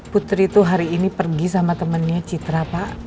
putri itu hari ini pergi sama temennya citra pak